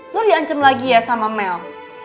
lo diancem lagi ya sama mel